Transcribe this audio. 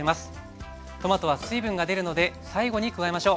トマトは水分が出るので最後に加えましょう。